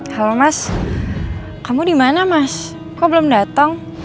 halo mas kamu dimana mas kok belum datang